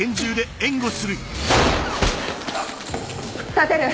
立てる？